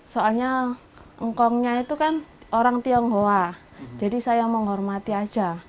soalnya ngongnya itu kan orang tionghoa jadi saya menghormati aja